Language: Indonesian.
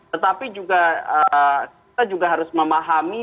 tetapi juga kita juga harus memahami